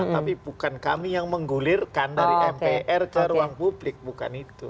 tapi bukan kami yang menggulirkan dari mpr ke ruang publik bukan itu